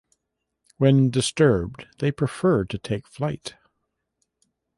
When disturbed they prefer to take flight.